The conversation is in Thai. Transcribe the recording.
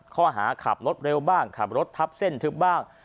ข้อหาขับรถเร็วบ้างขับรถทับเส้นทึบบ้าง